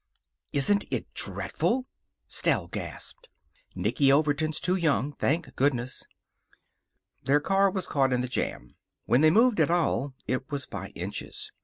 "Isn't it dreadful!" Stell gasped. "Nicky Overton's too young, thank goodness." Their car was caught in the jam. When they moved at all, it was by inches.